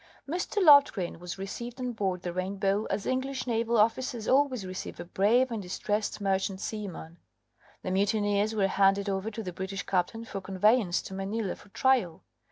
Mr. Loftgreen was received on board the Rainbow as English naval officers always receive a brave and distressed merchant seaman. The mutineers were handed over to the British captain for conveyance to Manila for trial.